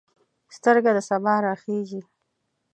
سترګه د سبا راخیژې